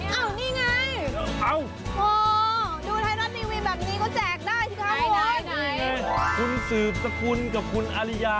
อ้าวนี่ไงดูไทยรอดทีวีแบบนี้ก็แจกได้ทุกคนคุณสืบสกุลกับคุณอริยา